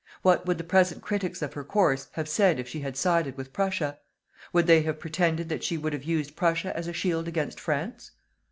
What would the present critics of her course have said if she had sided with Prussia? Would they have pretended that she would have used Prussia as a shield against France?